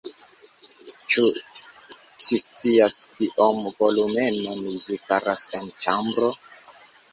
Ĉu ci scias, kioman volumenon ĝi faras en ĉambro?